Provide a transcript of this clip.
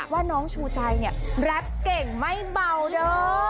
ว่าน้องชูใจเนี่ยแรปเก่งไม่เบาเด้อ